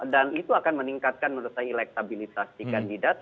dan itu akan meningkatkan menurut saya elektabilitas kandidat